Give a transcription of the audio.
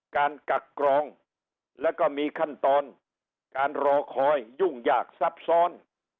กักกรองแล้วก็มีขั้นตอนการรอคอยยุ่งยากซับซ้อน